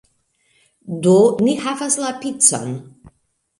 Do, ni havas la picon!